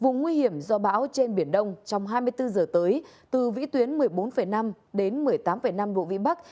vùng nguy hiểm do bão trên biển đông trong hai mươi bốn giờ tới từ vĩ tuyến một mươi bốn năm đến một mươi tám năm độ vĩ bắc